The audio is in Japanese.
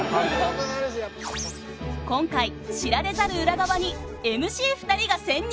今回知られざる裏側にＭＣ２人が潜入。